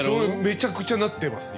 めちゃくちゃなってます